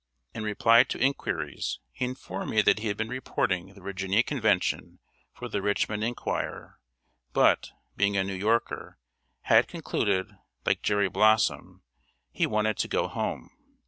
In reply to inquiries, he informed me that he had been reporting the Virginia Convention for The Richmond Enquirer, but, being a New Yorker, had concluded, like Jerry Blossom, he wanted "to go home."